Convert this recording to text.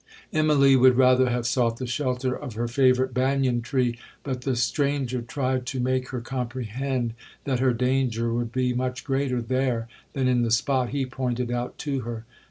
Immalee would rather have sought the shelter of her favourite banyan tree, but the stranger tried to make her comprehend, that her danger would be much greater there than in the spot he pointed out to her.